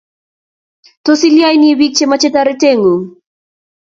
tos ilionibiik chemechei toretengung